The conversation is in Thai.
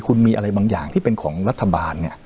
คุณมีอะไรบางอย่างที่เป็นของรัฐบาล